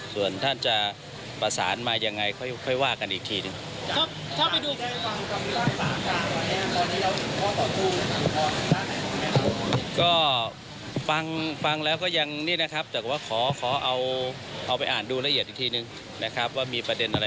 ส่วนท่านจะประสานมายังไงค่อยว่ากันอีกทีหนึ่ง